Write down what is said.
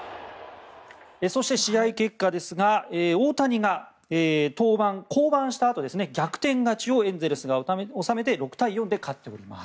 そして、試合結果ですが大谷が降板したあと逆転勝ちをエンゼルスが納めて６対４で勝っております。